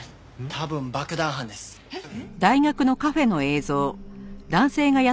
多分爆弾犯です。えっ？